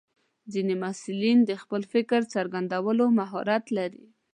ځینې محصلین د خپل فکر څرګندولو مهارت لري.